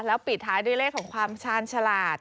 แล้วปิดท้ายด้วยเลขของความชาญฉลาด